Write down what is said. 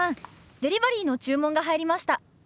デリバリーの注文が入りました。